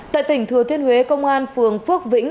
tại tỉnh thừa thiên huế công an phường phước vĩnh